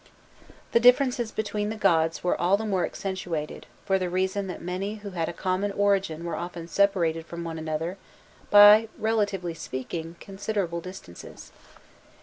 The differences between the gods were all the more accentuated, for the reason that many who had a common origin were often separated from one another by, relatively speaking, considerable distances.